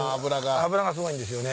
脂がすごいんですよね